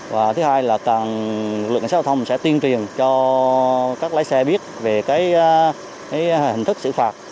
và thứ hai là lực lượng cảnh sát giao thông sẽ tuyên truyền cho các lái xe biết về hình thức xử phạt